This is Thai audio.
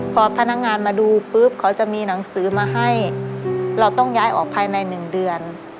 พอพนักงานมาดูปุ๊บเขาจะมีหนังสือมาให้เราต้องย้ายออกภายใน๑เดือน